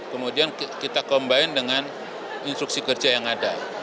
kemudian kita combine dengan instruksi kerja yang ada